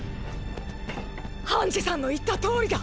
ハンジさんの言ったとおりだ。